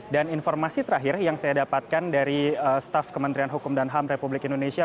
dan informasi terakhir yang saya dapatkan dari staff kementerian hukum dan ham republik indonesia